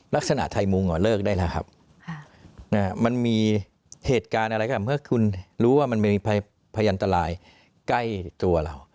ลักษณะไทยมุงเลิกได้แล้วครับมันมีเหตุการณ์อะไรก็เมื่อคุณรู้ว่ามันมีพยันตรายใกล้ตัวเรา